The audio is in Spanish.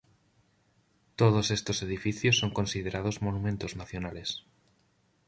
Todos estos edificios son considerados monumentos nacionales.